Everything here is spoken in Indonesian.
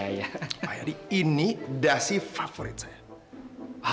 pak yadi ini dasi favorit saya